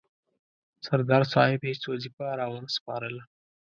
سردار صاحب هیڅ وظیفه را ونه سپارله.